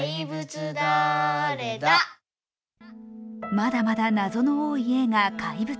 まだまだ謎の多い映画「怪物」。